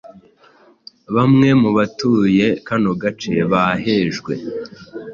bamwe mu batuye kano gace bahejwe